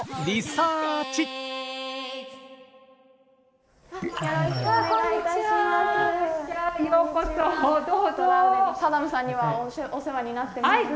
サダムさんにはお世話になってます。